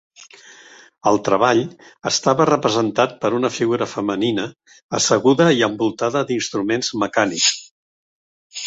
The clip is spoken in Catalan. El treball estava representat per una figura femenina asseguda i envoltada d'instruments mecànics.